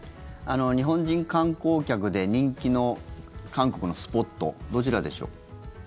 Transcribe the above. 日本人観光客で人気の韓国のスポットどちらでしょう。